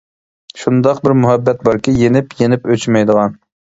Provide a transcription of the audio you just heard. شۇنداق بىر مۇھەببەت باركى، يېنىپ-يېنىپ ئۆچمەيدىغان.